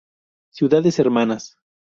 Ciudades Hermanas